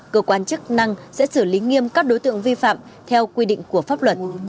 cơ quan chức năng sẽ xử lý nghiêm các đối tượng vi phạm theo quy định của pháp luật